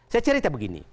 saya cerita begini